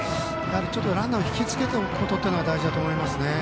ランナーを引きつけておくことが大事だと思いますね。